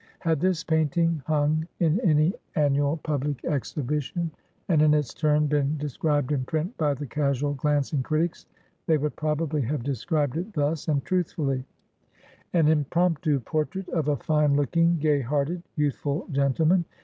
Had this painting hung in any annual public exhibition, and in its turn been described in print by the casual glancing critics, they would probably have described it thus, and truthfully: "An impromptu portrait of a fine looking, gay hearted, youthful gentleman.